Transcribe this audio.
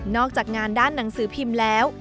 จากงานด้านหนังสือพิมพ์แล้ว